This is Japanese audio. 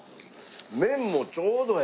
麺もちょうどええ。